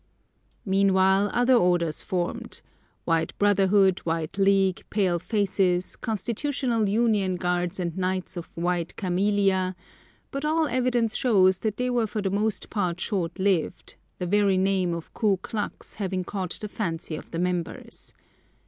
Meanwhile, other orders formed: White brotherhood, White League, Pale Faces, Constitutional Union Guards and Knights of White Camelia; but all evidence shows that they were for the most part short lived, the very name of Ku Klux having caught the fancy of the members.